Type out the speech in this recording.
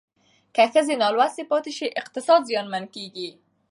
که ښځې نالوستې پاتې شي اقتصاد زیانمن کېږي.